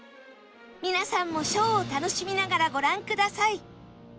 皆さんもショーを楽しみながらご覧ください